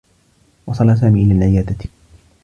وصل سامي إلى العيادة.